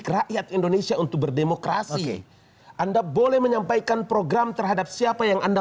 rakyat indonesia untuk berdemokrasi anda boleh menyampaikan program terhadap siapa yang anda